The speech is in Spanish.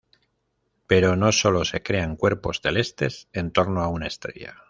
Pero no solo se crean cuerpos celestes en torno a una estrella.